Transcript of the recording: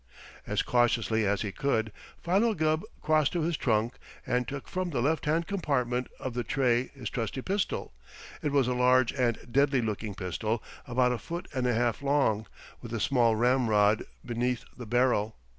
As cautiously as he could, Philo Gubb crossed to his trunk and took from the left hand compartment of the tray his trusty pistol. It was a large and deadly looking pistol, about a foot and a half long, with a small ramrod beneath the barrel.